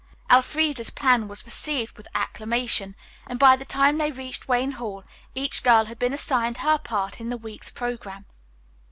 Elfreda's plan was received with acclamation, and by the time they reached Wayne Hall each girl had been assigned her part in the week's programme.